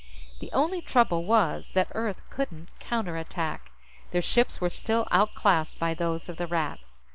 The only trouble was that Earth couldn't counterattack. Their ships were still out classed by those of the Rats.